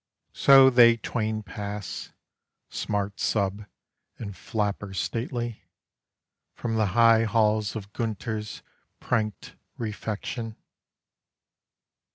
So they twain pass smart sub. and flapper stately From the high halls of Gunter's prank't refection.